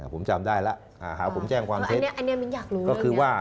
ผมจำได้ล่ะหาผมแจ้งความเท็จ